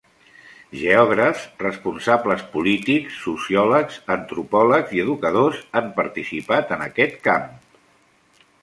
Geògrafs, responsables polítics, sociòlegs, antropòlegs i educadors han participat en aquest camp.